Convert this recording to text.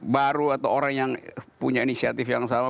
baru atau orang yang punya inisiatif yang sama